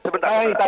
sebentar bang arya